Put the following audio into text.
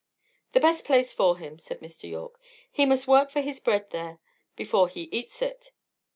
"The best place for him," said Mr. Yorke. "He must work for his bread, there, before he eats it."